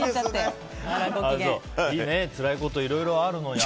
つらいこと、いろいろあるのに。